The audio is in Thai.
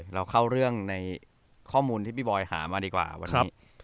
เราเข้าเรื่องในข้อมูลที่พี่บอยหามาดีกว่าวันนี้